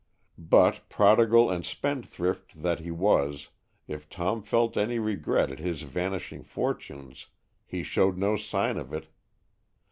But prodigal and spendthrift that he was, if Tom felt any regret at his vanishing fortunes, he showed no sign of it.